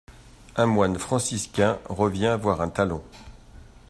Un moine franciscain revient voir un talon!